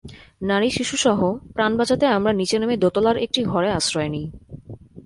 নারী-শিশুসহ প্রাণ বাঁচাতে আমরা নিচে নেমে দোতলার একটি ঘরে আশ্রয় নিই।